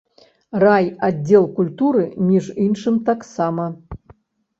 Райаддзел культуры, між іншым, таксама.